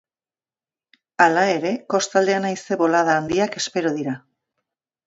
Hala ere, kostaldean haize bolada handiak espero dira.